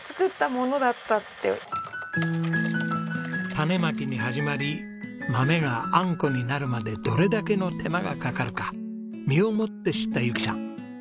種まきに始まり豆があんこになるまでどれだけの手間がかかるか身をもって知った由紀さん。